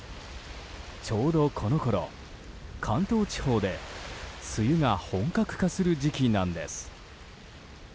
ちょうどこのころ、関東地方で梅雨が本格化する時期なんです。